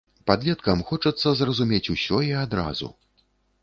Падлеткам хочацца зразумець усё і адразу.